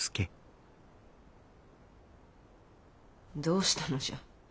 どうしたのじゃ。